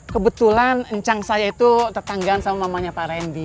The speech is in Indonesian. kebetulan encang saya itu tetanggaan sama mamanya pak randy